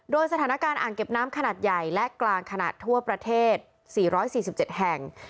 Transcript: โดยสถานการณ์อ่างเก็บน้ำขนาดใหญ่และกลางขนาดทั่วประเทศ๔๔๗แห่ง